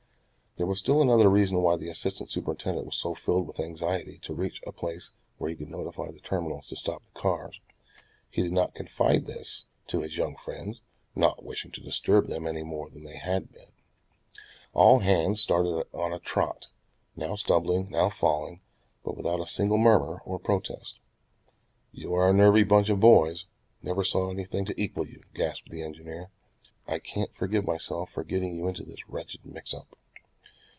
There was still another reason why the assistant superintendent was so filled with anxiety to reach a place where he could notify the terminals to stop the cars. He did not confide this to his young friends, not wishing to disturb them any more than they had been. All hands started on a trot, now stumbling, now falling, but without a single murmur, or protest. "You are a nervy bunch of boys. Never saw anything to equal you," gasped the engineer. "I can't forgive myself for getting you into this wretched mix up."